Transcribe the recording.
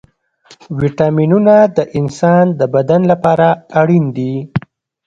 ويټامينونه د انسان د بدن لپاره اړين دي.